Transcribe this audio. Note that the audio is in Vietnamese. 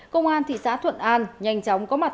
công an thị xã thuận an nhanh chóng có mặt